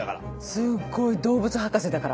すっごい動物博士だから。